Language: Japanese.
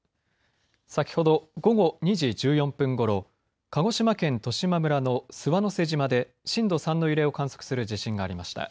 先ほど午後２時１４分ごろ鹿児島県十島村の諏訪之瀬島で震度３の揺れを観測する地震がありました。